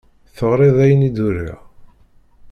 Teɣriḍ ayen i d-uriɣ?